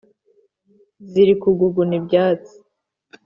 ziri kuguguna ibyatsi.